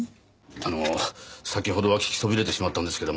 あの先ほどは聞きそびれてしまったんですけども